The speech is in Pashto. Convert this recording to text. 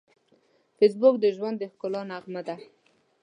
فېسبوک د ژوند د ښکلا نغمه ده